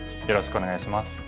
よろしくお願いします。